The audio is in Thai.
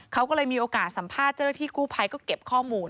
เขาก็เลยมีโอกาสสัมภาษณ์เจอที่กูไพรก็เก็บข้อมูล